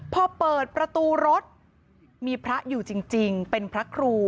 พอเปิดประตูรถมีพระอยู่จริงเป็นพระครู